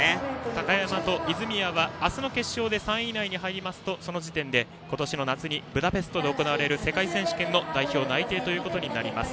高山と泉谷は明日の決勝で３位以内に入るとその時点で、今年の夏にブダペストで行われる世界選手権の代表内定となります。